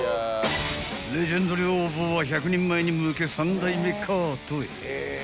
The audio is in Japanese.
［レジェンド寮母は１００人前に向け３台目カートへ］